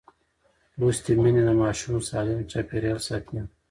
لوستې میندې د ماشوم سالم چاپېریال ساتي.